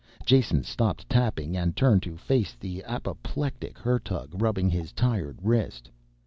Jason stopped tapping and turned to face the apoplectic Hertug, rubbing his tired wrist.